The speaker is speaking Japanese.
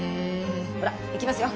ほら行きますよ。